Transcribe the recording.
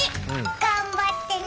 頑張ってね。